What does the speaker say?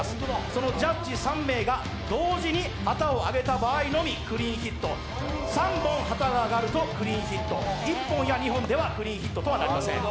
そのジャッジ３名が同時に旗を上げた場合のみクリーンヒット、３本旗が揚がるとクリーンヒット、１本や２本ではクリーンヒットとはなりません。